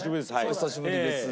お久しぶりです。